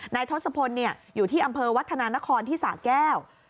ทศพลอยู่ที่อำเภอวัฒนานครที่สาแก้ว